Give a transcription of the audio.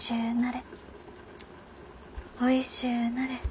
おいしゅうなれ。